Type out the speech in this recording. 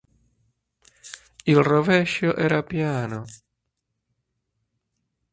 Il rovescio era piano.